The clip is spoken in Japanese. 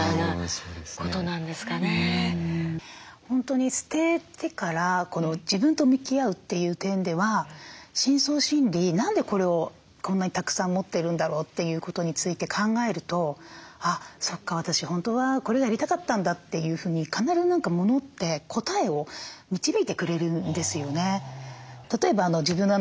本当に捨ててから自分と向き合うという点では深層心理何でこれをこんなにたくさん持っているんだろうということについて考えると「あっそっか私本当はこれやりたかったんだ」というふうに必ずモノって答えを導いてくれるんですよね。